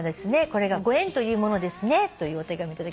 「これがご縁というものですね」というお手紙頂きました。